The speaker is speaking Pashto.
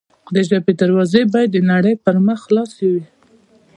د ژبې دروازې باید د نړۍ پر مخ خلاصې وي.